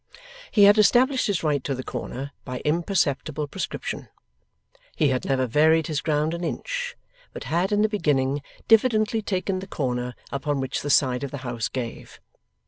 He had established his right to the corner, by imperceptible prescription. He had never varied his ground an inch, but had in the beginning diffidently taken the corner upon which the side of the house gave.